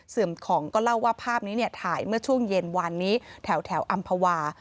เสื่อมของก็เล่าว่าภาพนี้ถ่ายเมื่อช่วงเย็นวันนี้แถวอำภาวา